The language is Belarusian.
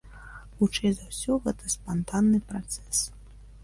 Хутчэй за ўсё, гэта спантанны працэс.